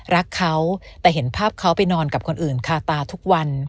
รักเขาแต่เห็นภาพเขาไปนอนกับคนอื่นคาตาทุกวัน